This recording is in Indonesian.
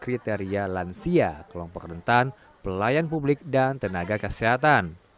kriteria lansia kelompok rentan pelayan publik dan tenaga kesehatan